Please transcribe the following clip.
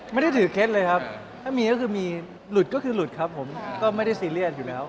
ไม่ได้ถือเคล็ดเลยครับถ้ามีก็คือมีหลุดก็คือหลุดครับผมก็ไม่ได้ซีเรียสอยู่แล้ว